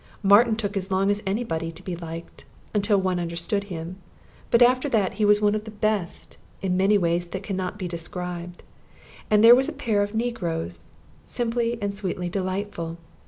Martin took as long as any body to be liked, until one understood him; but after that he was one of the best, in many ways that can not be described. Also there was a pair of negroes, simply and sweetly delightful.